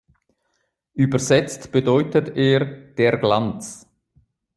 Übersetzt bedeutet er „Der Glanz“.